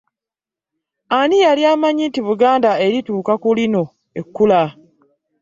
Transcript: Ani yali amanyi nti Buganda erituuka kulino ekula?